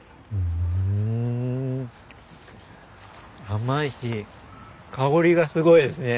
甘いし香りがすごいですね。